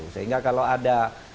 sehingga kalau ada